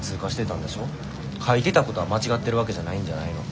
書いてたことは間違ってるわけじゃないんじゃないの。